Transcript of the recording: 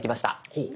ほう！